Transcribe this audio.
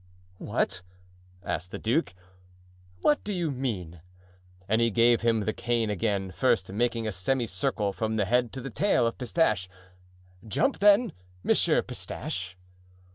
"What," asked the duke, "what do you mean?" and he gave him the cane again, first making a semicircle from the head to the tail of Pistache. "Jump then, Monsieur Pistache."